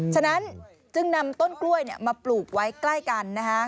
ฉะนั้นจึงนำต้นกล้วยมาปลูกไว้ใกล้กัน